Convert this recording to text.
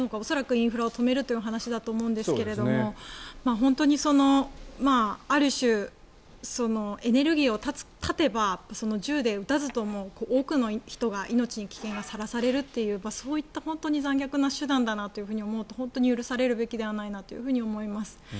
恐らくインフラを止めるという話だと思うんですが本当にある種、エネルギーを断てば銃で撃たずとも多くの人の命の危険がさらされるというそういった残虐な手段だなと思うと本当に許されるべきではないなと思います。